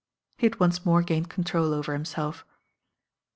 He had once more gained control over himself.